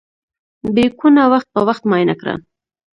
بریکونه وخت په وخت معاینه کړه.